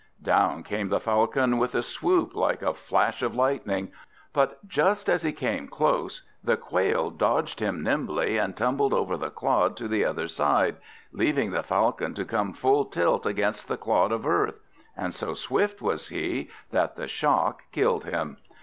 Down came the Falcon with a swoop like a flash of lightning; but just as he came close the Quail dodged him nimbly and tumbled over the clod to the other side, leaving the Falcon to come full tilt against the clod of earth; and so swift was he, that the shock killed him.